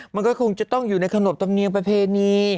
มันก็คงจะต้องอยู่ในขนบตำนีประเพณี